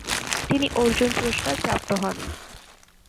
তিনি অর্জুন পুরস্কার প্রাপ্ত হন।